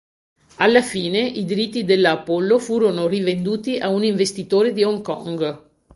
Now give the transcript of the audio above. Alla fine, i diritti della Apollo furono rivenduti a un investitore di Hong Kong.